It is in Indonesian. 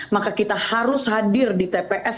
maka kita harus hadir di tps